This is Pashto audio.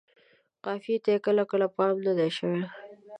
قافیې ته یې کله کله پام نه دی شوی.